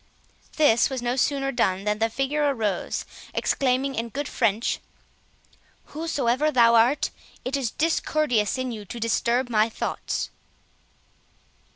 This was no sooner done than the figure arose, exclaiming in good French, "Whosoever thou art, it is discourteous in you to disturb my thoughts."